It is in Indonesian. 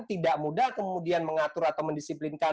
tidak mudah kemudian mengatur atau mendisiplinkan